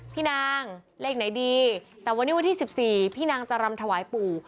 พี่นางเลขไหนดีแต่วันนี้วันที่๑๔พี่นางจะรำถวายปู่